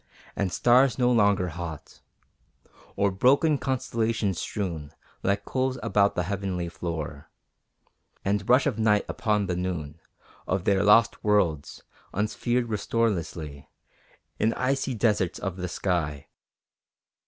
And stars no longer hot; Or broken constellations strewn Like coals about the heavenly floor, And rush of night upon the noon Of their lost worlds, unsphered restorelessly In icy deserts of the sky.